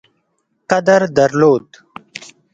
قدر درلود.